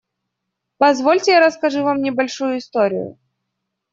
Позвольте, я расскажу вам небольшую историю.